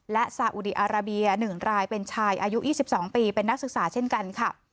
และสาอุดีอาราเบียหนึ่งรายเป็นชายอายุอีกสิบสองปีเป็นนักศึกษาเช่นกันค่ะ